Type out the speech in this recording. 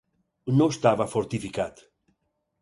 No estava fortificat.